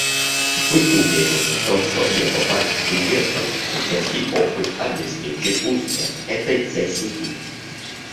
Мы уверены в том, что его богатый дипломатический опыт обеспечит успех этой сессии.